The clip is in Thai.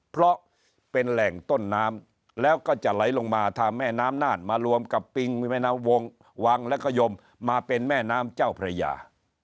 เพราะเป็นแหล่งต้นน้ำแล้วก็จะไหลลงมาทางแม่น้ำน่านมารวมกับปิงมีแม่น้ำวงวังแล้วก็ยมมาเป็นแม่น้ำเจ้าพระยา